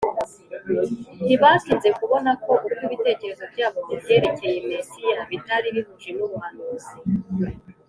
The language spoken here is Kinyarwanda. Ntibatinze kubona ko uko ibitekerezo byabo ku byerekeye Mesiya bitari bihuje n’ubuhanuzi;